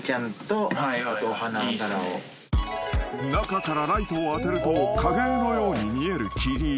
［中からライトを当てると影絵のように見える切り絵］